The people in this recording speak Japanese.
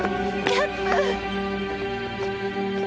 キャップ。